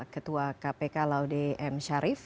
ketua kpk laude m sharif